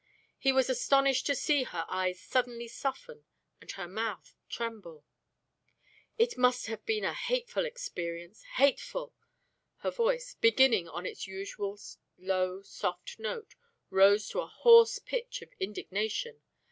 He was astonished to see her eyes suddenly soften and her mouth tremble. "It must have been a hateful experience hateful!" Her voice, beginning on its usual low soft note, rose to a hoarse pitch of indignation.